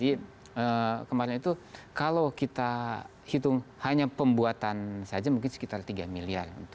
jadi kemarin itu kalau kita hitung hanya pembuatan saja mungkin sekitar tiga miliar